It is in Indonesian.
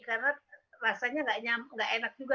karena rasanya tidak enak juga